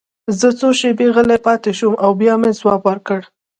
زه څو شېبې غلی پاتې شوم او بیا مې ځواب ورکړ